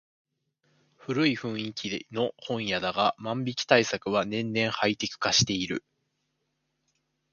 古い雰囲気の本屋だが万引き対策は年々ハイテク化している